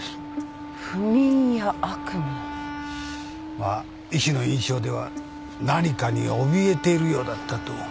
まあ医師の印象では何かにおびえているようだったと。